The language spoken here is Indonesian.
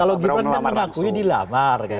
kalau gipretnya mengakui dilamar